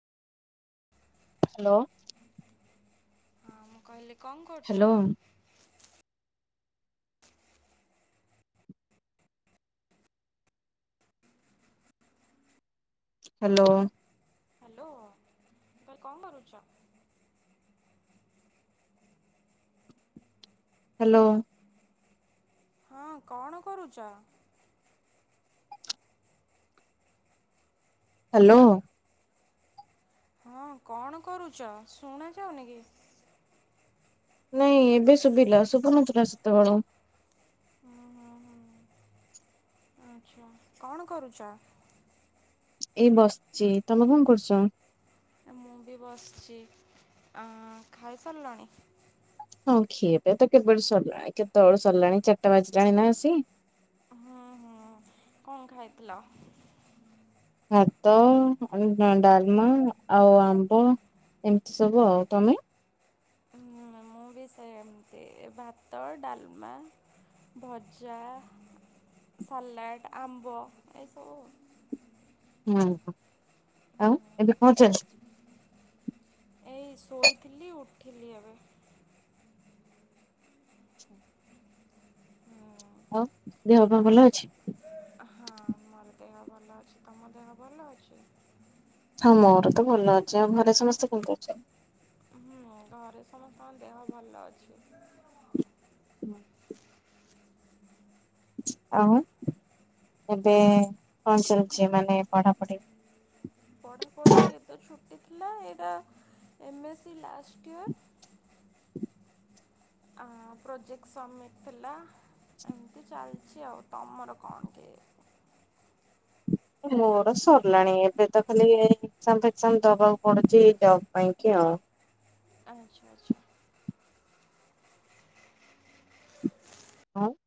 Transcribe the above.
Hello. ହଁ ମୁଁ କହିଲି। କଣ କରୁଚ? ହାଲୋ। ହାଲୋ, ଆରେ କଣ କରୁଛ? ହାଲୋ। ହଁ, କଣ କରୁଚ? ହାଲୋ। ହଁ, କଣ କରୁଚ? ଶୁଣା ଯାଉନି କି? ନାଇଁ, ଏବେ ଶୁଭିଲା। ଶୁଭୁନଥିଲା ସେତେବେଳ। ହ, ହୁଁ, ହୁଁ। ଆଚ୍ଛା, କଣ କରୁଚ? ଏଇ ବସିଚି, ତମେ କଣ କରଚ? ମୁଁ ବି ବସିଚି। ଆ ଖାଇସାରିଲଣି? ହଁ, ଖିଆପିଆ ତ କେବଳ ସରିଲାଣି। କେତେବେଳେ ସରିଲାଣି? ଚାରିଟା ବାଜିଲାଣି ନା ଆସି। ହୁଁ ହୁଁ କଣ ଖାଇଥିଲ? ଭାତ, ଆଉ ଡା ଡାଲମା ଆଉ ଆମ୍ବ ଏମିତି ସବୁ। ଆଉ ତମେ? ମୁଁ ବି ସେମିତି। ଏମିତି ଭାତ, ଡାଲମା, ଭଜା, ସାଲାଡ଼, ଆମ୍ବ ଏସବୁ। ହୁଁ, ଆଉ ଏବେ କଣ ଚାଲିଚି? ଏଇ ଶୋଇଥିଲି। ଉଠିଲି ଏବେ। ହଉ ଦେହ ପାହ ହୁଁ ଆଉ ଭଲ ଅଛି। ହଁ ମୋର ଦେହ ଭଲ ଅଛି। ତମ ଦେହ ଭଲ ଅଛି? ହଁ ମୋର ତ ଭଲ ଅଛି। ଆଉ ଘରେ ସମସ୍ତେ କେମିତି ଅଛନ୍ତି? ହଁ ଦେହ ଭଲ ଅଛି। ହ। ଆଉ ଏବେ କଣ ଚାଲିଛି ମାନେ? ପଢାପଢି ପଢ଼ାପଢ଼ି ଏତ ଛୁ ଥିଲା ଏଇଟା ଏମ ଏ ସି ଲାଷ୍ଟ ଟିଅର୍। ଆ ପ୍ରୋଜେକ୍ଟ ସବମିଟ ଥିଲା, ଏମତି ଚାଲଚି ତମର ଆଉ ତମର କଣ କେ ମୋର ସରିଲାଣି ଏବେ ତ ଖାଲି ଏକଜାମ ଫେକଜାମ ଦବାକୁ ପଡୁଚି ଜବ ପାଇଁ କି ଆଉ। ଆଚ୍ଛା ଆଚ୍ଛା। ହଁ।